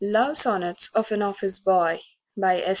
LOVE SONNETS OF AN OFFICE BOY BY S.